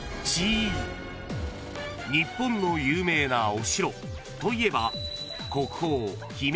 ［日本の有名なお城といえば国宝］